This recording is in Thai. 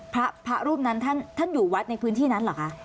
พระรูปนั้นท่านอยู่วัดในพื้นที่นั้นเหรอคะ